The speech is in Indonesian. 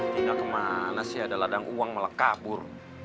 tidak kemana sih ada ladang uang malah kabur